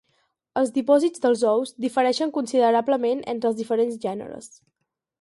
Els dipòsits dels ous difereixen considerablement entre els diferents gèneres.